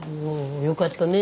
よかったね